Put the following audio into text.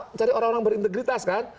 mencari orang orang berintegritas kan